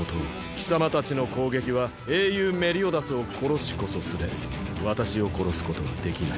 貴様たちの攻撃は英雄メリオダスを殺しこそすれ私を殺すことはできない。